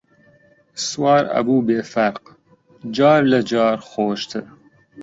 سوار ئەبوو بێ فەرق، جار لە جار خۆشتر